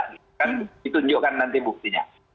ditunjukkan nanti buktinya